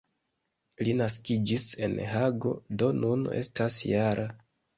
Li naskiĝis en Hago, do nun estas -jara.